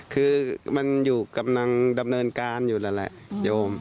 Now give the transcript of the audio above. คือมันอยู่กำลังดำเนินการอยู่นั่นแหละโยม